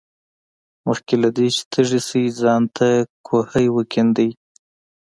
مخکې له دې چې تږي شې ځان ته کوهی وکیندئ.